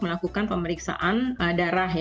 melakukan pemeriksaan darah